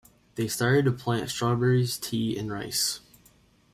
They started to plant strawberries, tea and rice.